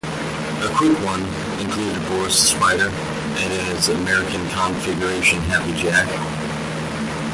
"A Quick One" included "Boris the Spider" and in its American configuration "Happy Jack.